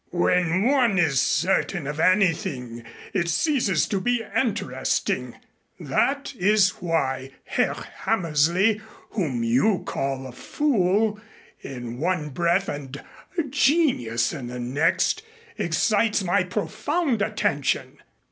When one is certain of anything it ceases to be interesting. That is why Herr Hammersley, whom you call a fool in one breath and a genius in the next, excites my profound attention.